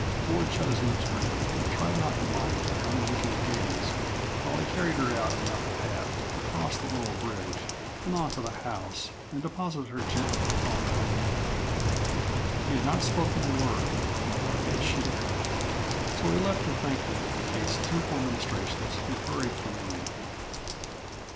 Ford shut his lips grimly and tried not to mind that unwinking gaze while he carried her out and up the path, across the little bridge and on to the house, and deposited her gently upon her own bed. He had not spoken a word, nor had she. So he left her thankfully to Kate's tearful ministrations and hurried from the room.